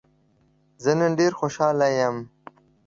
زه نن ډېر خوشحاله يم.